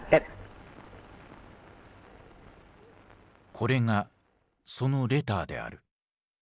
これがそのレターである。